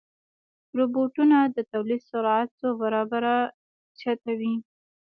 روبوټونه د تولید سرعت څو برابره زیاتوي.